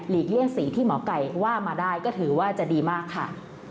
เลี่ยงสีที่หมอไก่ว่ามาได้ก็ถือว่าจะดีมากค่ะ